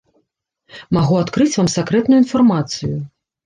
Магу адкрыць вам сакрэтную інфармацыю.